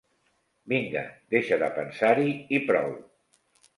Vinga, deixa de pensar-hi i prou.